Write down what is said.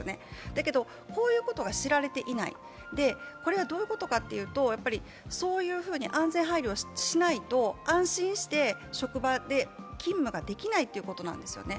だけどこういうことが知られていない、これがどういうことかというと安全配慮しないと安心して、職場で勤務ができないということなんですよね。